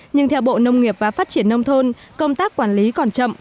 nhưng theo bộ nông nghiệp và phát triển nông thôn công tác quản lý còn chậm